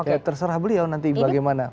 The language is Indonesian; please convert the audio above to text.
oke terserah beliau nanti bagaimana